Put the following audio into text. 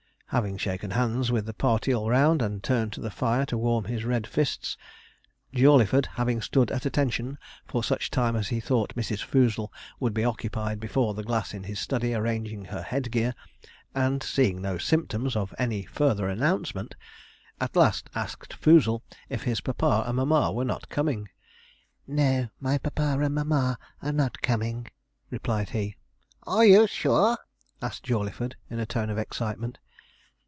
Having shaken hands with the party all round, and turned to the fire to warm his red fists, Jawleyford having stood at 'attention' for such time as he thought Mrs. Foozle would be occupied before the glass in his study arranging her head gear, and seeing no symptoms of any further announcement, at last asked Foozle if his papa and mamma were not coming. 'No, my papa and mamma are not coming,' replied he. 'Are you sure?' asked Jawleyford, in a tone of excitement.